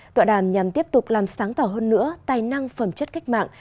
tọa đàm nhằm tiếp tục làm sáng tỏ hơn nữa tài năng phẩm chất cách mạng